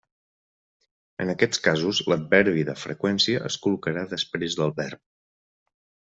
En aquests casos l'adverbi de freqüència es col·locarà després del verb.